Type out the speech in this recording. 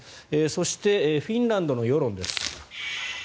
そしてフィンランドの世論です。